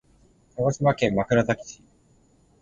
鹿児島県枕崎市